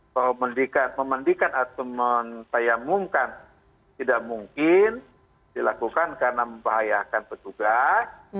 pembendikan atau mentayamungkan tidak mungkin dilakukan karena membahayakan petugas